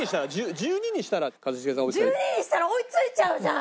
１２にしたら追いついちゃうじゃん。